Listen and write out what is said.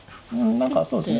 何かそうですね